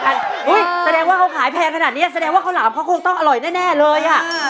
แสดงว่าเขาขายแพงขนาดนี้แสดงว่าข้าวหลามเขาคงต้องอร่อยแน่เลยอ่ะ